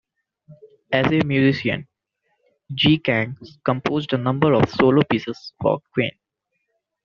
As a musician, Ji Kang composed a number of solo pieces for Qin.